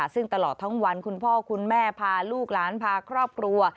ซึ่งตลอดทั้งวันคุณพ่อคุณแม่พาลูกหลานพาครอบครัว